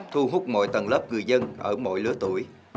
thu hút mọi tầng lớp người dân ở mọi lứa tuổi